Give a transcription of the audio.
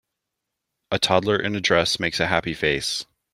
A toddler in a dress makes a happy face.